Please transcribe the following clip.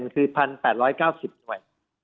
คือ๑๘๙๐หน่วย